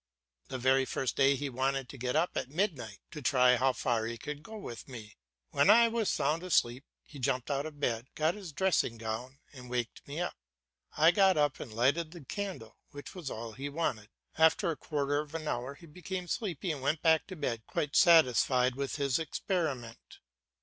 The very first day he wanted to get up at midnight, to try how far he could go with me. When I was sound asleep he jumped out of bed, got his dressing gown, and waked me up. I got up and lighted the candle, which was all he wanted. After a quarter of an hour he became sleepy and went back to bed quite satisfied with his experiment.